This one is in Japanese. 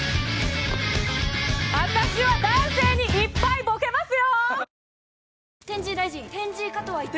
私は男性にいっぱいボケますよ！